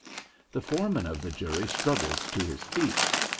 The foreman of the jury struggled to his feet.